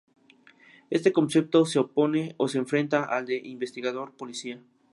Este concepto se opone o se enfrenta al de "investigador-policía".